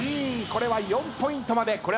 これは４ポイントまで。